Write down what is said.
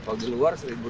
prasilnya apa sih pak